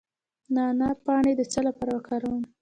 د نعناع پاڼې د څه لپاره وکاروم؟